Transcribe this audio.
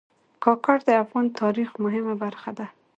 کاکړ د افغان تاریخ مهمه برخه دي.